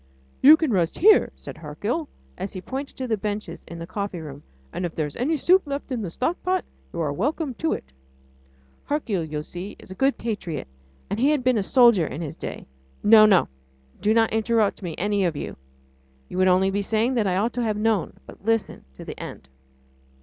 "You can rest here," said Hercule, and he pointed to the benches in the coffee room, "and if there is any soup left in the stockpot, you are welcome to it." Hercule, you see, is a good patriot, and he had been a soldier in his day.... No! no ... do not interrupt me, any of you ... you would only be saying that I ought to have known ... but listen to the end.